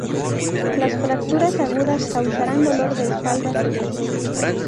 Las fracturas agudas causarán dolor de espalda severo.